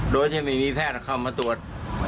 โดยที่ไม่มีแพทย์เข้ามาตรวจ